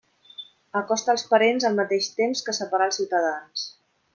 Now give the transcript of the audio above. Acosta els parents al mateix temps que separa els ciutadans.